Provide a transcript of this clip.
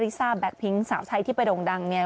ซ่าแบ็คพิ้งสาวไทยที่ไปโด่งดังเนี่ย